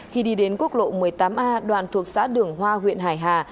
khi đi đến quốc lộ một mươi tám a đoạn thuộc xã đường hoa huyện hải hà